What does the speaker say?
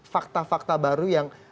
fakta fakta baru yang